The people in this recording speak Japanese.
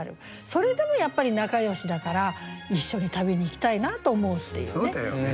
それでもやっぱり仲よしだから一緒に旅に行きたいなと思うっていうね。